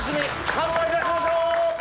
乾杯いたしましょう！